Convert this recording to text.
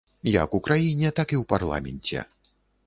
Як у краіне, так і ў парламенце.